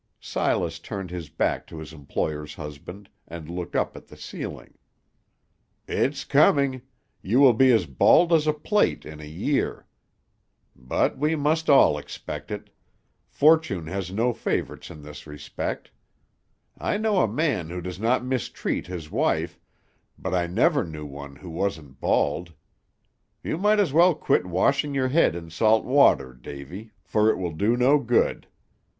Silas turned his back to his employer's husband, and looked up at the ceiling. "It's coming; you will be as bald as a plate in a year. But we must all expect it; fortune has no favorites in this respect. I know a man who does not mistreat his wife, but I never knew one who wasn't bald. You might as well quit washing your head in salt water, Davy; for it will do no good."